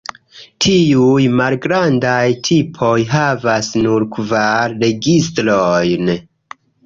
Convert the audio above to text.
Tiuj malgrandaj tipoj havas nur kvar registrojn.